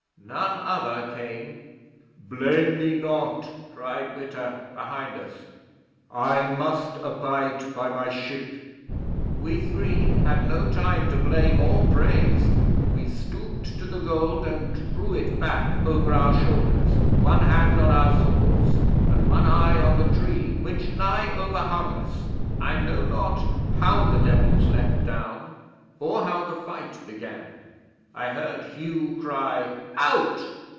None other came. "Blame me not," cried Witta behind us, "I must abide by my ship." We three had no time to blame or praise. We stooped to the gold and threw it back over our shoulders, one hand on our swords and one eye on the tree, which nigh overhung us. 'I know not how the Devils leaped down, or how the fight began. I heard Hugh cry: "Out!